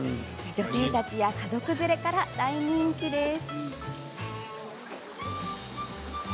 女性たちや家族連れから大人気です。